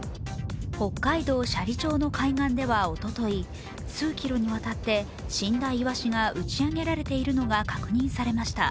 北海道斜里町の海岸ではおととい数キロにわたって死んだイワシが打ち上げられているのが確認されました。